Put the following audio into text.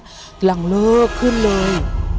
หลังเลิกขึ้นเลย